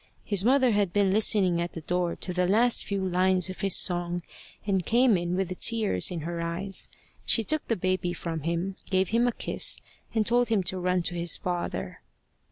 His mother had been listening at the door to the last few lines of his song, and came in with the tears in her eyes. She took the baby from him, gave him a kiss, and told him to run to his father.